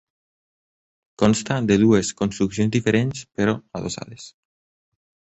Consta de dues construccions diferents però adossades.